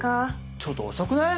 ちょっと遅くない？